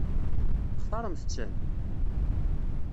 Textaṛemt-ten?